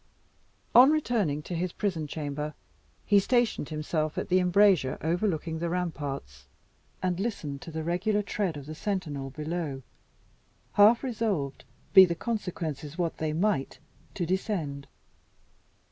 On returning to his prison chamber, he stationed himself at the embrasure overlooking the ramparts, and listened to the regular tread of the sentinel below, half resolved, be the consequences what they might, to descend.